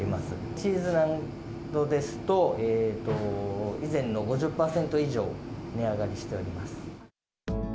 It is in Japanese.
チーズなどですと、以前の５０％以上値上がりしております。